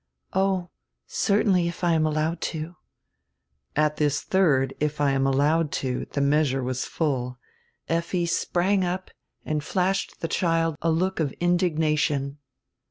"Oh, certainly, if I am allowed to." At this third "if I am allowed to" die measure was full. Effi sprang up and flashed die child a look of indignation.